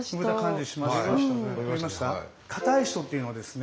硬い人っていうのはですね